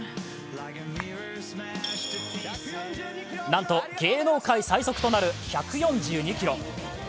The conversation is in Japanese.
なんと芸能界最速となる１４２キロ。